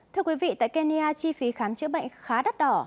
thưa quý vị tại kenya chi phí khám chữa bệnh khá đắt đỏ